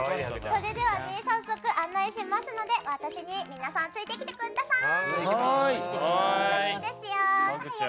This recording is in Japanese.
それでは早速案内しますので皆さん私についてきてください。